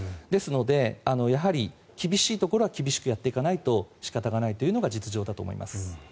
ですのでやはり、厳しいところは厳しくやっていかないと仕方がないというのが実情だと思います。